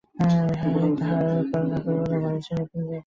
বিহারী তাহার উত্তর না করিয়া কহিল, বাড়ি ছাড়িয়া তুমি যে এখানে?